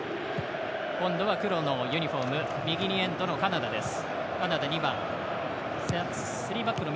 黒のユニフォーム右にエンドのカナダです。